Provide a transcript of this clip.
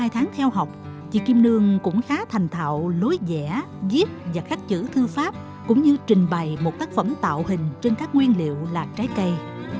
hai tháng theo học chị kim nương cũng khá thành thạo lối dẻp và khắc chữ thư pháp cũng như trình bày một tác phẩm tạo hình trên các nguyên liệu là trái cây